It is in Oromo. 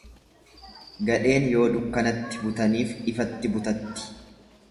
Gadheen yoo dukkanatti butaniif ifatti butatti.